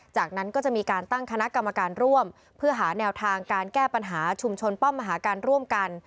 จากนั้นก็จะมีการตั้งคณะกรรมการร่วมเพื่อหาแนวทางการแก้ปัญหาชุมชนป้อมมหาการร่วมกัน